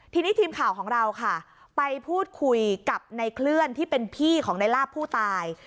ทีนี้ทีมข่าวของเราค่ะไปพูดคุยกับในเคลื่อนที่เป็นพี่ของในลาบผู้ตาย